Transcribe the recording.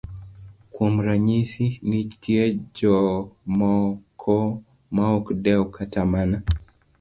Kuom ranyisi, nitie jomoko maok dew kata mana